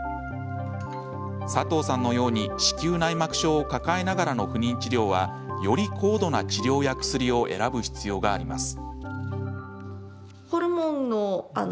佐藤さんのように子宮内膜症を抱えながらの不妊治療はより高度な治療や薬を選ぶ必要があります。